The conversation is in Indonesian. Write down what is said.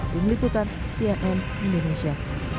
di meliputan cnn indonesia